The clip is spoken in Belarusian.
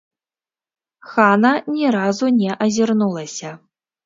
Хана ні разу не азірнулася.